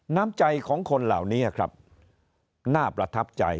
น้ำใจของคนเหล่านี้ครับน่าประทับใจ